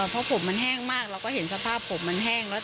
เพราะผมมันแห้งมากเราก็เห็นสภาพผมมันแห้งแล้ว